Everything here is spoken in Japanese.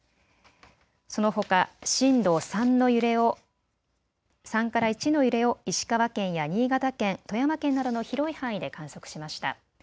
そのほか震度３から１の揺れを石川県や新潟県、富山県などの広い範囲で観測しました。